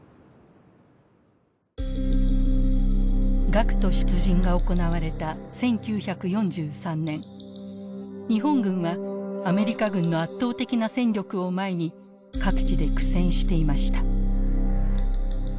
学徒出陣が行われた１９４３年日本軍はアメリカ軍の圧倒的な戦力を前に各地で苦戦していました。